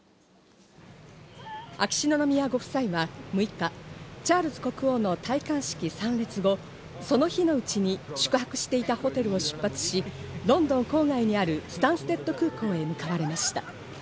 秋篠宮ご夫妻は６日、チャールズ国王の戴冠式参列後、その日のうちに宿泊していたホテルを出発し、ロンドン郊外にあるスタンステッド空港へ向かわれました。